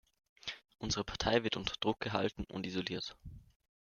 Unsere Partei wird unter Druck gehalten und isoliert.